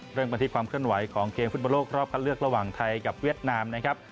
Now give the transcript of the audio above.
เริ่มกันที่ความเคลื่อนไหวของเกมฟุตบอลโลกรอบคัดเลือกระหว่างไทยกับเวียดนามนะครับ